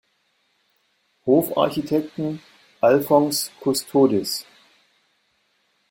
Hofarchitekten Alphons Custodis.